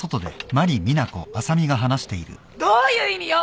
・どういう意味よ！